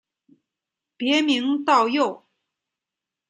别名道佑。